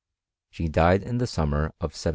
She died in the summer of 1786.